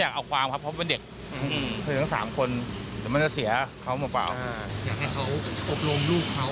อยากให้เขาอบรมลูกเขาหรือว่าอะไรอย่างไรบ้าง